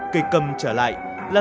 kịch câm trở lại là